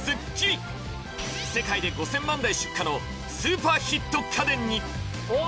世界で５０００万台出荷のスーパーヒット家電にあ！